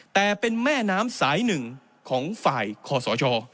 แต่เป็นแม่น้ำสายหนึ่งของฝ่ายคอสช